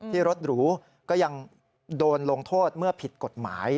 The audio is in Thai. ที่รถหรูก็ยังโดนลงโทษเมื่อผิดกฎหมาย